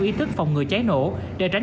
ý thức phòng ngừa cháy nổ để tránh